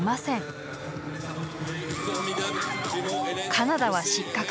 カナダは失格。